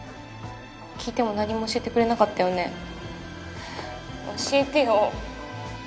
聞いても何も教えてくれなかったよね教えてよ